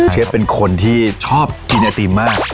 เชฟเป็นคนที่ชอบกินไอติมมาก